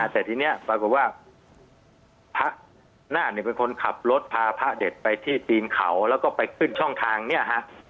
แต่ทีนี้ปรากฏว่าพระนาฏเนี่ยเป็นคนขับรถพาพระเด็ดไปที่ตีนเขาแล้วก็ไปขึ้นช่องทางเนี่ยฮะ